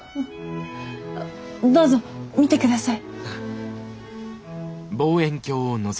どうぞ見て下さい。